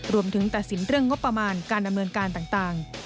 รวมถึงตัดสินเรื่องงบประมาณการดำเนินการต่าง